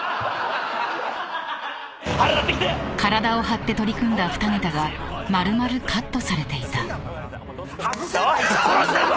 ［体を張って取り組んだ２ネタが丸々カットされていた］